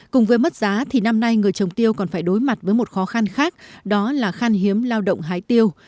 cùng với mất giá thì năm nay người trồng tiêu còn phải đối mặt với một khó khăn khác đó là khan hiếm lao động hái tiêu